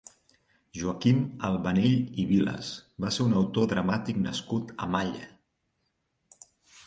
Joaquim Albanell i Vilas va ser un autor dramàtic nascut a Malla.